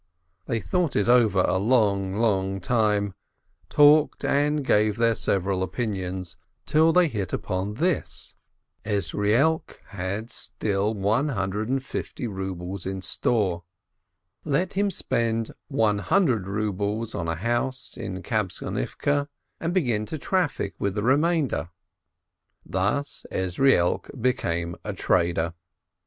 They thought it over a long, long time, talked and gave their several opinions, till they hit upon this : Ezrielk had still 232 LERNER one hundred and fifty rubles in store — let him spend one hundred rubles on a house in Kabtzonivke, and begin to traffic with the remainder. ~Thus Ezrielk became a trader.